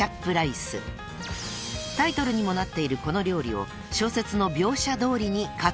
［タイトルにもなっているこの料理を］